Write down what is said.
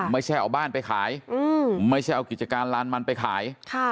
ไม่ใช่เอาบ้านไปขายไม่ใช่เอากิจการลานมันไปขาย